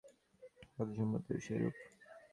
ব্যক্তিবিশেষ সম্বন্ধে যেমন, সমগ্র জাতি সম্বন্ধেও সেইরূপ।